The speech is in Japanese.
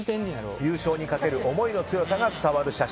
優勝にかける思いの強さが伝わる写真。